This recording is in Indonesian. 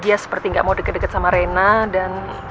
dia seperti nggak mau deket deket sama reina dan